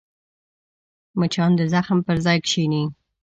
مچان د زخم پر ځای کښېني